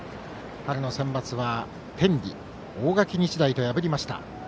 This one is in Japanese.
春のセンバツは天理、大垣日大と破りました。